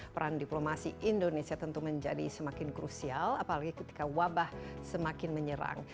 peran diplomasi indonesia tentu menjadi semakin krusial apalagi ketika wabah semakin menyerang